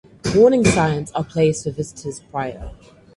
Warning signs are placed for visitors prior.